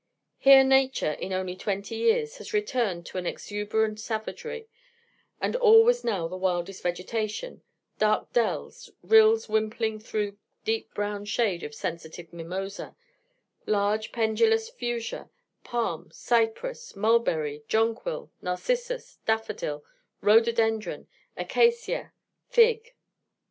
Here nature, in only twenty years has returned to an exuberant savagery, and all was now the wildest vegetation, dark dells, rills wimpling through deep brown shade of sensitive mimosa, large pendulous fuchsia, palm, cypress, mulberry, jonquil, narcissus, daffodil, rhododendron, acacia, fig.